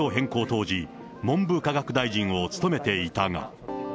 当時、文部科学大臣を務めていたが。